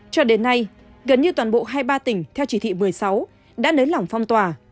cho đến nay gần như toàn bộ hai mươi ba tỉnh theo chỉ thị một mươi sáu đã nới lỏng phong tỏa